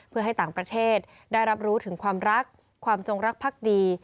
เพื่อให้ต่างประเทศได้รับรู้ถึงความรักความจงรักภักดี